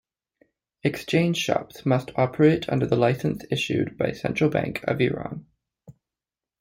Exchange shops must operate under the licenses issued by Central Bank of Iran.